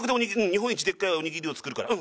日本一でっかいおにぎりを作るから。